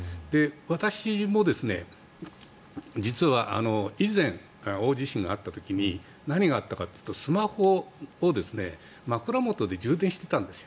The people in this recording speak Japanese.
私も実は、以前大地震があった時に何があったかというと、スマホを枕元で充電してたんです。